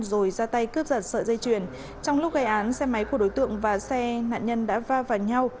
rồi ra tay cướp giật sợi dây chuyền trong lúc gây án xe máy của đối tượng và xe nạn nhân đã va vào nhau